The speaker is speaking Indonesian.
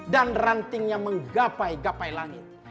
dan rantingnya menggapai gapai langit